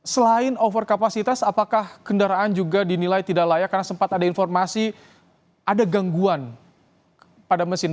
selain over kapasitas apakah kendaraan juga dinilai tidak layak karena sempat ada informasi ada gangguan pada mesin